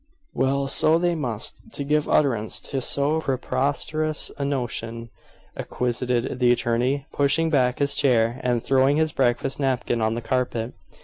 "Well, so they must, to give utterance to so preposterous a notion," acquiesced the attorney, pushing back his chair and throwing his breakfast napkin on the carpet.